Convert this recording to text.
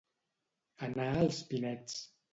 Anar als pinets.